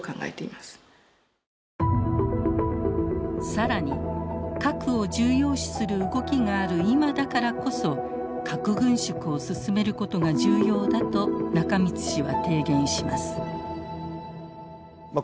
更に核を重要視する動きがある今だからこそ核軍縮を進めることが重要だと中満氏は提言します。